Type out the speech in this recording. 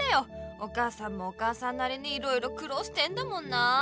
お母さんもお母さんなりにいろいろくろうしてんだもんな。